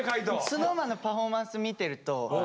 ＳｎｏｗＭａｎのパフォーマンス見てると分かる。